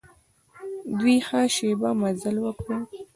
دوی ښه شېبه مزل وکړ.